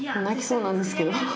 泣きそうなんですけど。